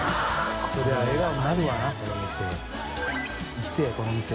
行きたいこの店。